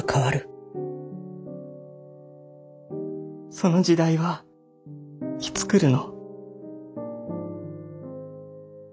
その時代はいつ来るの？